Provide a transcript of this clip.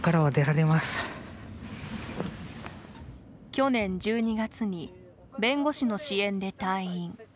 去年１２月に弁護士の支援で退院。